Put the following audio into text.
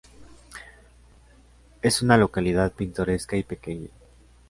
Es una localidad pintoresca y pequeña.